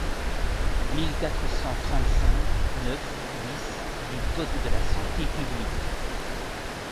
mille quatre cent trente-cinq-neuf-dix du code de la santé publique.